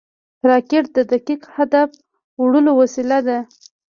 راکټ د دقیق هدف وړلو وسیله ده